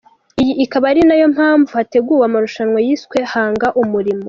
Iyi ikaba ari nayo mpamvu hateguwe amarushanwa yiswe ‘Hanga umurimo’.